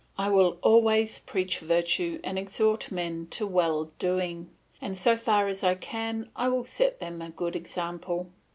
I will always preach virtue and exhort men to well doing; and so far as I can I will set them a good example.